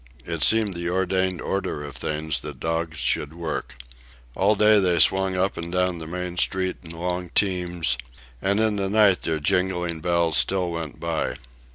It seemed the ordained order of things that dogs should work. All day they swung up and down the main street in long teams, and in the night their jingling bells still went by.